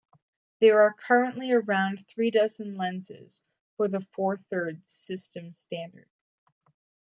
There are currently around three dozen lenses for the Four Thirds System standard.